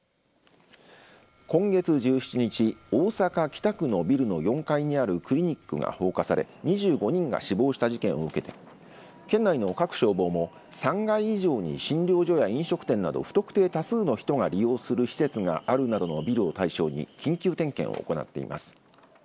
今月１７日大阪、北区のビルの４階にあるクリニックが放火され２５人が死亡した事件を受けて県内の各消防も３階以上に診療所や飲食店など不特定多数の人が利用する施設があるなどのビルを対象に緊急点検を行っています。